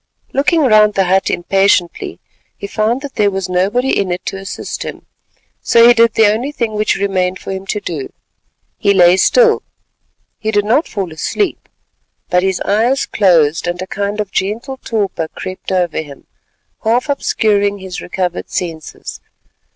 Looking round the hut impatiently, he found that there was nobody in it to assist him, so he did the only thing which remained for him to do—he lay still. He did not fall asleep, but his eyes closed, and a kind of gentle torpor crept over him, half obscuring his recovered senses.